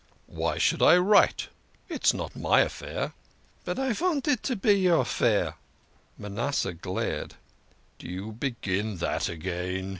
" Why should I write ? It's not my affair." " But I vant it to be your affair." Manasseh glared. "Do you begin that again?"